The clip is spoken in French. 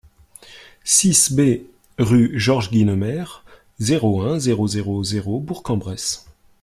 six B rue Georges Guynemer, zéro un, zéro zéro zéro, Bourg-en-Bresse